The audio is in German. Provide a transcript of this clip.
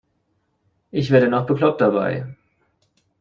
Ich werde noch bekloppt dabei.